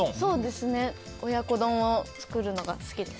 親子丼を作るのが好きです。